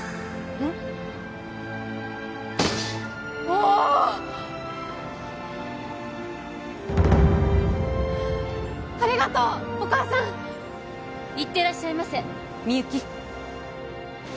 うおっありがとうお母さん行ってらっしゃいませみゆき